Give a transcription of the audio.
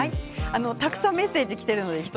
たくさんメッセージがきています。